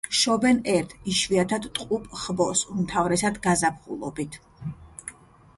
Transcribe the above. შობენ ერთ, იშვიათად ტყუპ ხბოს, უმთავრესად გაზაფხულობით.